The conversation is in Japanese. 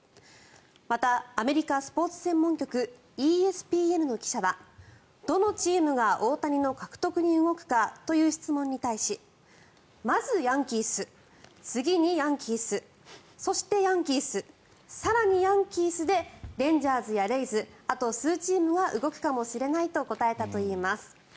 また、アメリカスポーツ専門局ＥＳＰＮの記者はどのチームが大谷の獲得に動くかという質問に対しまずヤンキース、次にヤンキースそしてヤンキース更にヤンキースでレンジャーズやレイズあと数チームが動くかもしれないと答えたといいます。